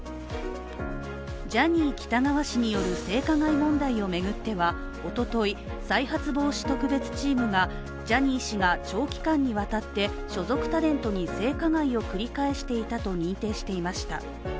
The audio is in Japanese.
ジャニー喜多川氏による性加害問題を巡ってはおととい再発防止特別チームがジャニー氏が長期間にわたって所属タレントに性加害を繰り返していたと認定していました。